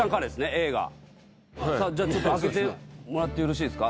Ａがはいじゃあ開けてもらってよろしいですか？